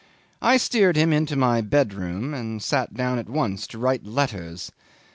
I steered him into my bedroom, and sat down at once to write letters.